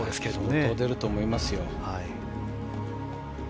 相当出ると思いますよ。